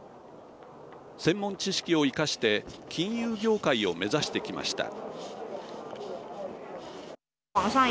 専門知識を生かして金融業界を目指してきました。